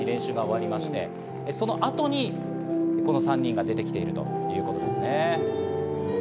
そうですね、９時前に練習が終わりまして、その後にこの３人が出てきているということですね。